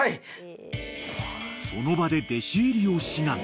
［その場で］